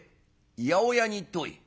「八百屋に行ってこい」。